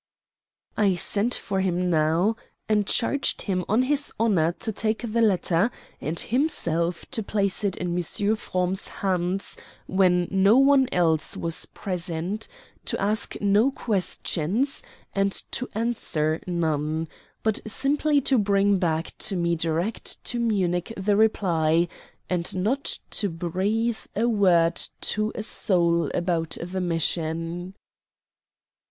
I sent for him now and charged him on his honor to take the letter, and himself to place it in M. Frombe's hands when no one else was present; to ask no questions, and to answer none; but simply to bring back to me direct to Munich the reply, and not to breathe a word to a soul about the mission.